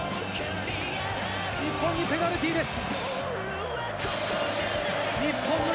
日本にペナルティーです。